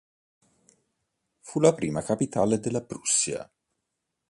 Fu la prima capitale della Prussia.